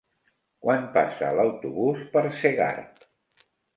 Quan passa l'autobús per Segart?